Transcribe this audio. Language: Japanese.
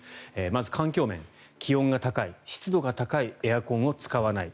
まず、環境面気温が高い、湿度が高いエアコンを使わない。